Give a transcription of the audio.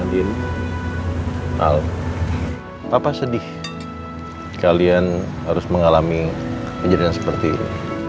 al papa sedih kalian harus mengalami kejadian seperti ini